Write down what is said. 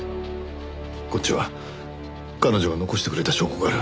こっちは彼女が残してくれた証拠がある。